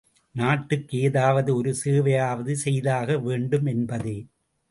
நாட்டுக்கு ஏதாவது ஒரு சேவையாவது செய்தாக வேண்டும் என்பதே.